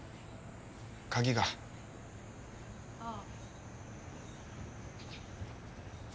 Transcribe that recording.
鍵がああ